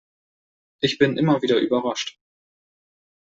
Ich bin immer wieder überrascht.